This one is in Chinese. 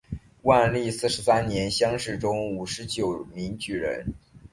万历四十三年乡试中五十九名举人。